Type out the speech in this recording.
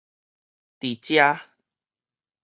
佇遮